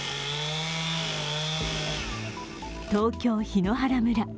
東京・檜原村。